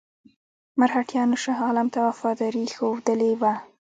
مرهټیانو شاه عالم ته وفاداري ښودلې وه.